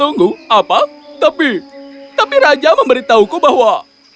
tunggu apa tapi tapi raja memberitahuku bahwa